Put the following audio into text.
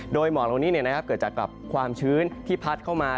โดยหมอกเหล่านี้เกิดจากกับความชื้นที่พัดเข้ามา